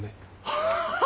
ハハハ！